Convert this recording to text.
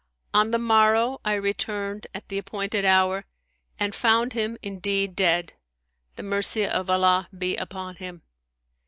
On the morrow, I returned, at the appointed hour, and found him indeed dead, the mercy of Allah be upon him!